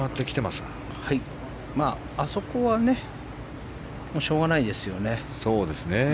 まあ、あそこはねしょうがないですよね。